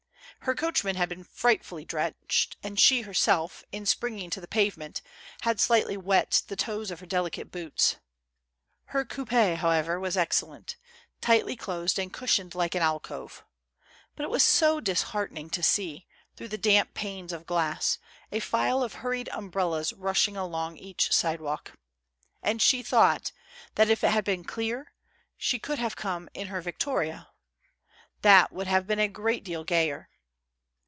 Her coachman had been fright THE FAST. 296 fully drenched, and she herself, in springing to the pave ment, had slightly wet the toes of her delicate boots. Her coupe, however, was excellent — tightly closed and cushioned like an alcove. But it was so disheartening to see, through the damp panes of glass, a file of hurried umbrellas rushing along each sidewalk I And she thought that, if it had been clear, she could have come in her victoria. That would have been a great deal gayer.